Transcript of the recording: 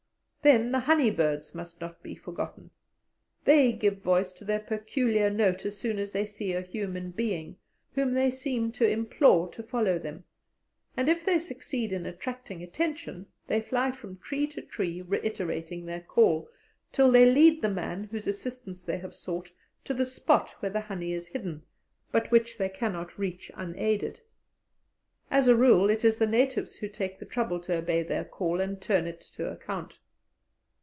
Then the honey birds must not be forgotten. They give voice to their peculiar note as soon as they see a human being, whom they seem to implore to follow them; and if they succeed in attracting attention, they fly from tree to tree reiterating their call, till they lead the man whose assistance they have sought to the spot where the honey is hidden, but which they cannot reach unaided. As a rule, it is the natives who take the trouble to obey their call and turn it to account.